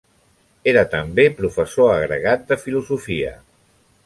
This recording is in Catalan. Era també professor agregat de filosofia.